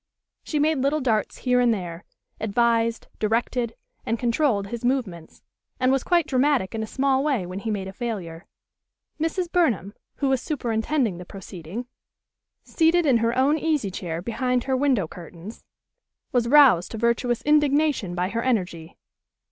She made little darts here and there, advised, directed, and controlled his movements, and was quite dramatic in a small way when he made a failure. Mrs. Burnham, who was superintending the proceeding, seated in her own easy chair behind her window curtains, was roused to virtuous indignation by her energy.